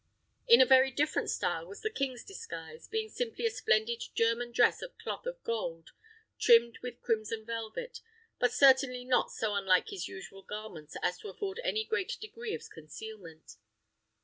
In a very different style was the king's disguise, being simply a splendid German dress of cloth of gold, trimmed with crimson velvet, but certainly not so unlike his usual garments as to afford any great degree of concealment.